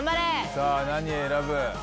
さあ何選ぶ？